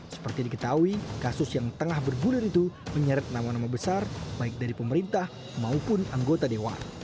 seperti diketahui kasus yang tengah bergulir itu menyeret nama nama besar baik dari pemerintah maupun anggota dewan